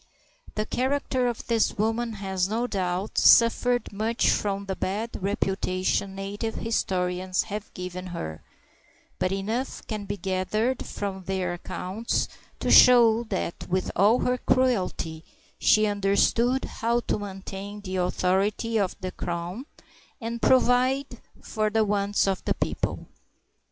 The character of this woman has, no doubt, suffered much from the bad reputation native historians have given her, but enough can be gathered from their accounts to show that with all her cruelty she understood how to maintain the authority of the crown, and provide for the wants of the people.